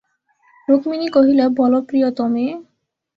রুক্মিণী কহিল, বলো প্রিয়তমে।